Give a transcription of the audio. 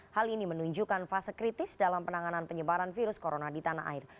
hal ini menunjukkan fase kritis dalam penanganan penyebaran virus corona di tanah air